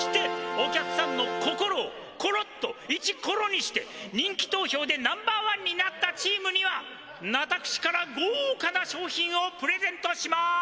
お客さんのココロをコロッとイチコロにして人気投票でナンバーワンになったチームには私からごうかな賞品をプレゼントします！